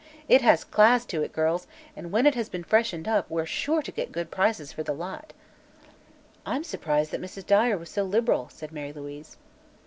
It has class to it, girls, and when it has been freshened up, we're sure to get good prices for the lot." "I'm surprised that Mrs. Dyer was so liberal," said Mary Louise.